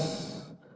karena cerjaan kita